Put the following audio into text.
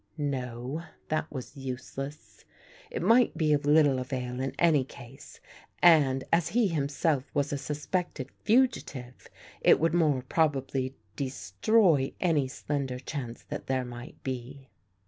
No, that was useless. It might be of little avail in any case, and, as he himself was a suspected fugitive it would more probably destroy any slender chance that there might be.